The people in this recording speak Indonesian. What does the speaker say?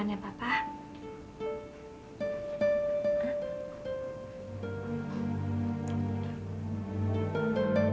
tapi aku tetep harus